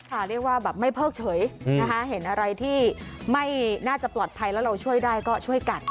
เรียกว่าแบบไม่เพิกเฉยนะคะเห็นอะไรที่ไม่น่าจะปลอดภัยแล้วเราช่วยได้ก็ช่วยกัน